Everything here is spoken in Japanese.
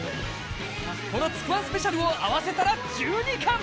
この「つくワン」スペシャルを合わせたら１２冠！